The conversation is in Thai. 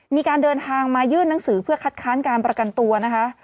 มีการเดินทางมายื่นหนังสือเพื่อคัดค้านการประกันตัวนะคะ